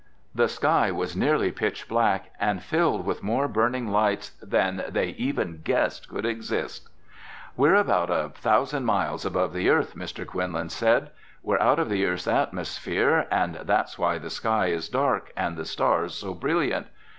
The sky was nearly pitch black and filled with more burning lights than they even guessed could exist. "We're about a thousand miles above the earth," Mr. Quinlan said. "We're out of the earth's atmosphere and that's why the sky is dark and the stars so brilliant.